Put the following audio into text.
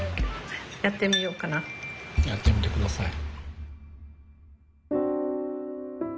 やってみて下さい。